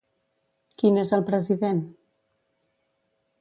Qui n'és el president?